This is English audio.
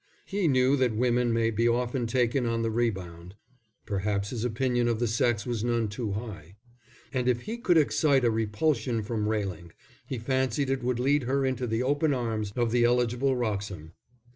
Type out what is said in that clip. He knew that women may be often taken on the rebound, (perhaps his opinion of the sex was none too high,) and if he could excite a repulsion from Railing, he fancied it would lead her into the open arms of the eligible Wroxham.